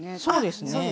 そうですね。